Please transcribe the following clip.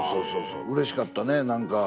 うれしかったね何か。